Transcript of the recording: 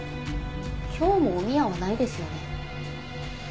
今日もおみやはないですよね？